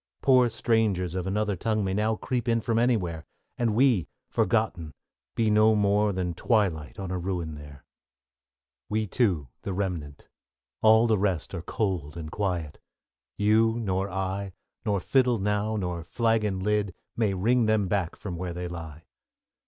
Poor strangers of another tongue May now creep in from anywhere, And we, forgotten, be no more Than twilight on a ruin there. Mil We two, the remnant. All the rest Are cold and quiet. You nor I, Nor fiddle now, nor flagon lid, May ring them back from where they lie.